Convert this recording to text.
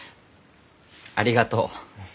ありがとう。